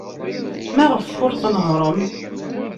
Maɣef ur tnehhṛem?